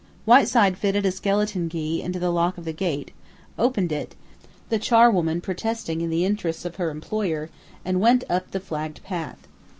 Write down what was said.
Whiteside fitted a skeleton key into the lock of the gate, opened it (the charwoman protesting in the interests of her employer) and went up the flagged path.